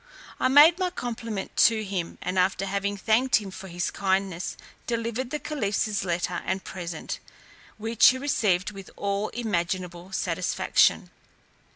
I made my compliment to him, and after having thanked him for his kindness, delivered the caliph's letter and present, which he received with all imaginable satisfaction.